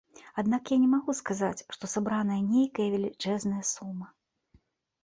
Аднак я не магу сказаць, што сабраная нейкая велічэзная сума.